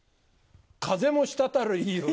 風も滴るいい男。